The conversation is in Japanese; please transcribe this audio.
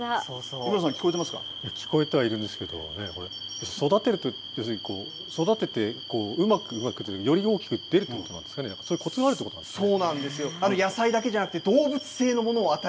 井村さん、聞こえてはいるんですけどね、育てるって、要するに育てて、うまくより大きく出るっていうことなんですかね、そういうこつがあるっていうことなんですかね。